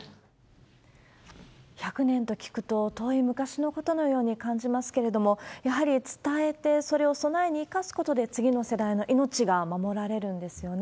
１００年と聞くと、遠い昔のことのように感じますけれども、やはり伝えて、それを備えに生かすことで、次の世代の命が守られるんですよね。